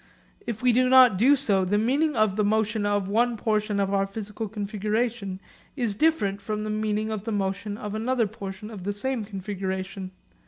If we do not do so the meaning of the motion of one portion of our physical configuration is different from the meaning of the motion of another portion of the same configuration.